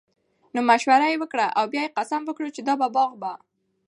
نو مشوره ئي وکړه، او بيا ئي قسم وکړو چې دا باغ به